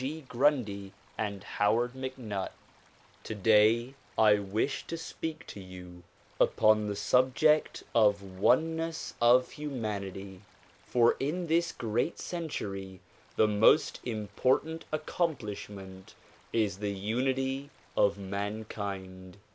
Grundy and Howard MacNutt TODAY I wish to speak to you upon the subject of "Oneness of Humanity" for in this great century the most important accomplishment is the unity of mankind.